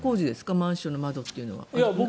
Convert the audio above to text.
マンションの窓というのは。